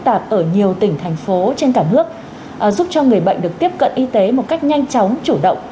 điều này sẽ giúp cho người bệnh được tiếp cận y tế một cách nhanh chóng chủ động